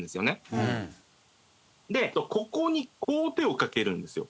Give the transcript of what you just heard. でここにこう手をかけるんですよ。